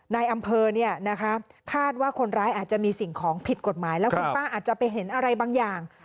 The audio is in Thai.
ในอำเภอเนี่ยนะคะคาดว่าคนร้ายอาจจะมีสิ่งของผิดกฎหมายแล้วคุณป้าอาจจะไปเห็นอะไรบางอย่าง